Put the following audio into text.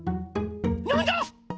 なんだ